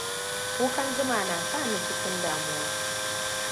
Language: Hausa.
Kukan zuma na sani cikin damuwa.